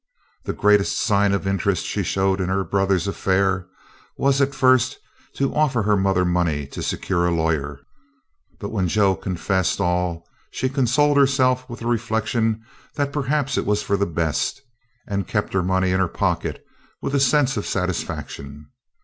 The greatest sign of interest she showed in her brother's affair was, at first, to offer her mother money to secure a lawyer. But when Joe confessed all, she consoled herself with the reflection that perhaps it was for the best, and kept her money in her pocket with a sense of satisfaction.